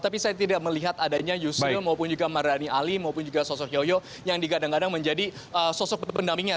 tapi saya tidak melihat adanya yusril maupun juga mardani ali maupun juga sosok yoyo yang digadang gadang menjadi sosok pendampingnya